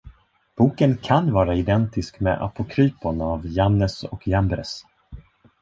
Boken kan vara identisk med Apocryphon av Jannes och Jambres.